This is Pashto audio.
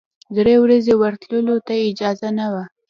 درې ورځې ورتللو ته اجازه نه وه.